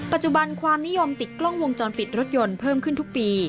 ปัจจุบันความนิยมติดกล้องวงจรปิดรถยนต์เพิ่มขึ้นทุกปี